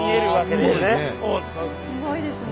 すごいですね。